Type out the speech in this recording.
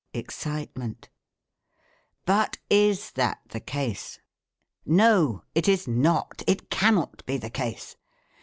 (Excitement.) "But is that the case? No, it is not, it cannot be the case.